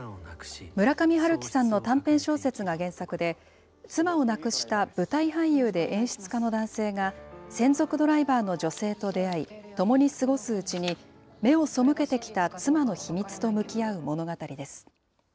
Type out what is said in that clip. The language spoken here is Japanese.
村上春樹さんの短編小説が原作で、妻を亡くした舞台俳優で演出家の男性が、専属ドライバーの女性と出会い、ともに過ごすうちに、目を背けてきた妻の秘密と向き合う物語です。